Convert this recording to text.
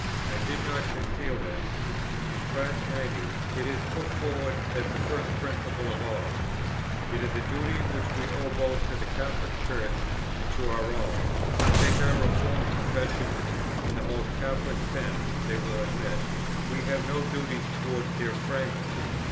I did not conceal this: in Tract 90, it is put forward as the first principle of all, "It is a duty which we owe both to the Catholic Church, and to our own, to take our reformed confessions in the most Catholic sense they will admit: we have no duties towards their framers."